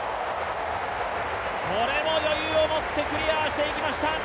これも余裕をもってクリアしていきました。